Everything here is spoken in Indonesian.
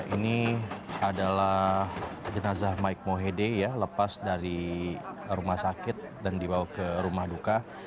ini adalah jenazah mike mohede ya lepas dari rumah sakit dan dibawa ke rumah duka